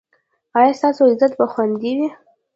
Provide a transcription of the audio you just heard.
ایا ستاسو عزت به خوندي وي؟